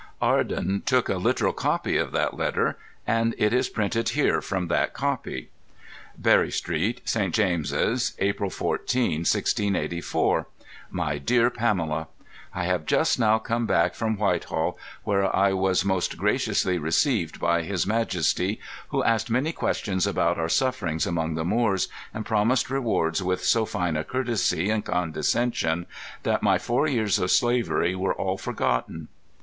Arden took a literal copy of that letter; and it is printed here from that copy: "BERRY STREET, ST. JAMES'S, "April 14, 1684. "MY DEAR PAMELA, "I have just now come back from Whitehall, where I was most graciously received by his Majestie, who asked many questions about our sufferings among the Moors, and promised rewards with so fine a courtesy and condescension that my four years of slavery were all forgotten.